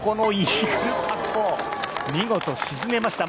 見事、沈めました。